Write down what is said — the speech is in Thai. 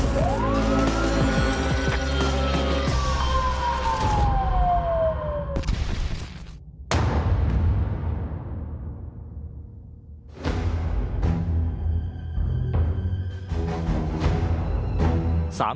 สวัสดีครับ